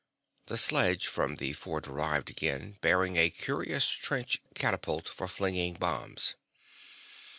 The sledge from the fort arrived again, bearing a curious trench catapult for flinging bombs.